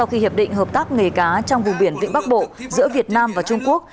hợp định hợp tác nghề cá trong vùng biển vĩnh bắc bộ giữa việt nam và trung quốc